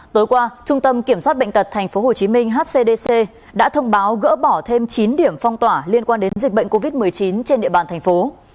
tối qua trung tâm kiểm soát bệnh tật tp hcm hcdc đã thông báo gỡ bỏ thêm chín điểm phong tỏa liên quan đến dịch bệnh covid một mươi chín trên địa bàn thành phố